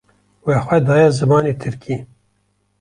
We xwe daye zimanê Tirkî